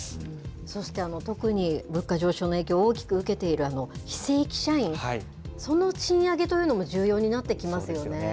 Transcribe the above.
そして特に物価上昇の影響を大きく受けている非正規社員、その賃上げというのも重要になってきますよね。